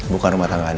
bukan rumah tangga anda